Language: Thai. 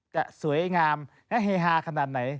จะสวยงามและเฮฮาขนาดไหน